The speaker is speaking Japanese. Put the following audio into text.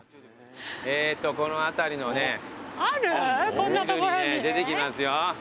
こんな所に？出てきますよ。